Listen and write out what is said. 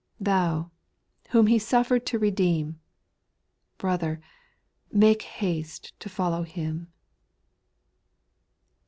867 Thou, whom He suflfer'd to redeem, Brother, make haste to follow llira.